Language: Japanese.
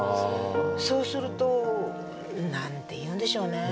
そうすると何て言うんでしょうね